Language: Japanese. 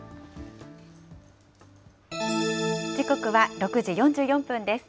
時刻は６時４４分です。